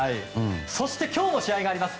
そして今日も試合があります。